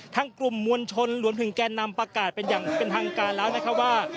ทั้งกลุ่มมวลชนหลังจากแก่นำประกาศเป็นอย่างทางกลางแล้วนะครับว่า